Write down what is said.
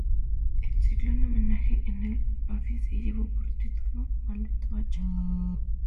El ciclo en homenaje en el Bafici llevó por título "Maldito Acha".